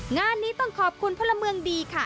งานนี้ต้องขอบคุณพลเมืองดีค่ะ